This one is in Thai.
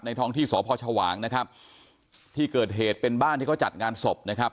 ท้องที่สพชวางนะครับที่เกิดเหตุเป็นบ้านที่เขาจัดงานศพนะครับ